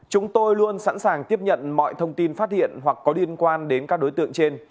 chúng tôi luôn sẵn sàng tiếp nhận mọi thông tin phát hiện hoặc có liên quan đến các đối tượng trên